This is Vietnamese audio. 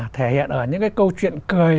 thể hiện ở những cái câu chuyện cười